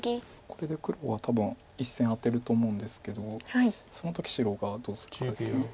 これで黒は多分１線アテると思うんですけどその時白がどうするかです。